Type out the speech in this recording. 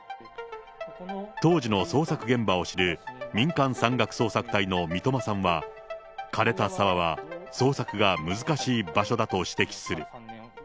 当時の捜索現場を知る、民間山岳捜索隊の三苫さんは、枯れた沢は捜索が難しい場所だと指摘する。